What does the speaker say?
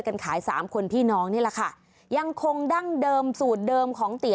กันขายสามคนพี่น้องนี่แหละค่ะยังคงดั้งเดิมสูตรเดิมของเตี๋ย